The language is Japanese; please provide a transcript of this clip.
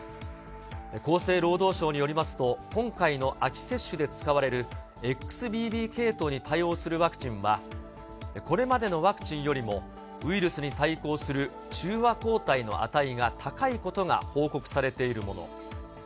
厚生労働省によりますと、今回の秋接種で使われるＸＢＢ系統に対応するワクチンは、これまでのワクチンよりもウイルスに対抗する中和抗体の値が高いことが報告されているもの。